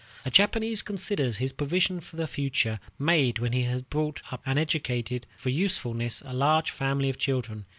A Japanese considers his provision for the future made when he has brought up and educated for usefulness a large family of children.